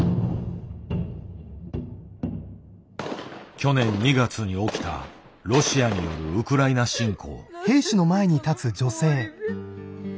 去年２月に起きたロシアによるウクライナ侵攻。